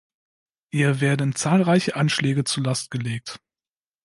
Ihr werden zahlreiche Anschläge zur Last gelegt.